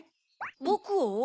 ぼくを？